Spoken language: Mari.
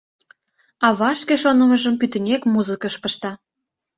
Ава шке шонымыжым пӱтынек музыкыш пышта.